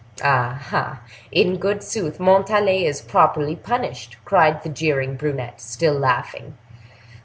"Ah, ah! in good sooth, Montalais is properly punished," cried the jeering brunette, still laughing.